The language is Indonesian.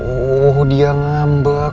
oh dia ngambek